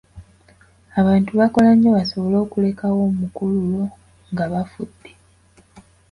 Abantu bakola nnyo basobole okulekawo omukululo nga bafudde.